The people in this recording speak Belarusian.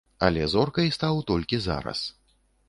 Але зоркай стаў толькі зараз.